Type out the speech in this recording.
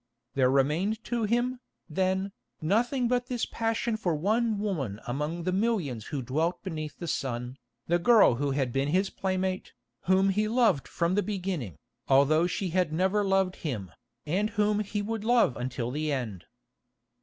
There remained to him, then, nothing but this passion for one woman among the millions who dwelt beneath the sun, the girl who had been his playmate, whom he loved from the beginning, although she had never loved him, and whom he would love until the end.